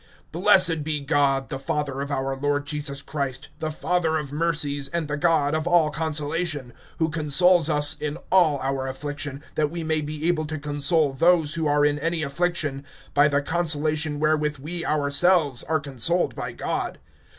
(3)Blessed be God, the Father of our Lord Jesus Christ, the Father of mercies, and the God of all consolation; (4)who consoles us in all our affliction, that we may be able to console those who are in any affliction, by the consolation wherewith we ourselves are consoled by God.